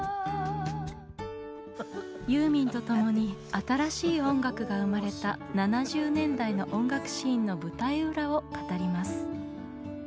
ユーミンとともに新しい音楽が生まれた７０年代の音楽シーンの舞台裏を語ります。